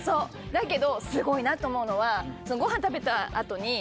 だけどすごいなと思うのは。